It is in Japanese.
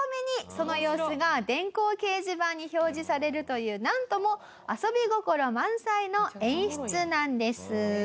その様子が電光掲示板に表示されるというなんとも遊び心満載の演出なんです。